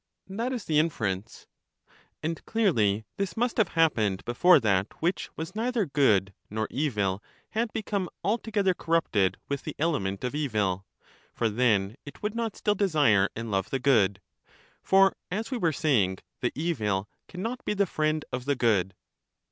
That is the inference. And clearly this must have happened before that which was neither good nor evil had become alto gether corrupted with the element of evil, for then it would not still desire and love the good ; for, as we were saying, the evil can not be the friend of the good.